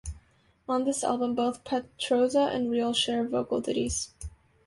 On this album both Petrozza and Reil share vocal duties.